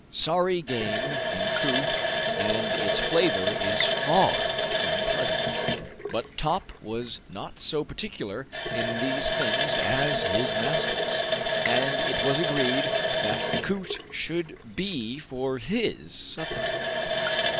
Sorry game, in truth, and its flavor is far from pleasant. But Top was not so particular in these things as his masters, and it was agreed that the coot should be for his supper.